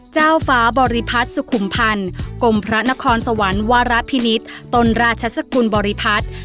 เจ้าฟ้าบริพัฒน์สุขุมพันธ์กรมพระนครสวรรค์วรพินิษฐ์ต้นราชสกุลบริพัฒน์